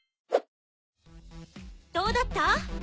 どうだった？